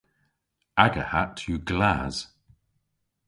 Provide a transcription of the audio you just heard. Aga hatt yw glas.